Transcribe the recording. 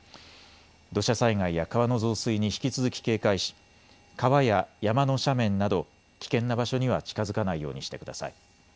土砂災害や川の増水に引き続き警戒し、川や山の斜面など危険な場所には近づかないようにしてください。